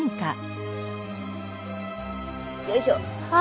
よいしょ！